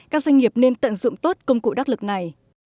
các doanh nghiệp nên tận dụng tốt công cụ đắc lực này